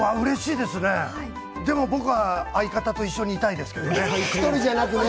でも僕は相方と一緒にいたいですけどね。